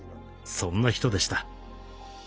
そんな人でした。